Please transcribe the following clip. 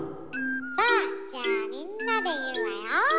さあじゃあみんなで言うわよ。